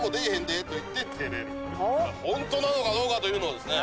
本当なのかどうかというのをですね